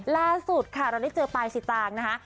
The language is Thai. ล่าสุดค่ะเราได้เจอปลายสิตางค์นะคะ